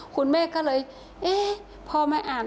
คุณแม่ก็เลยเอ๊ะพอมาอ่าน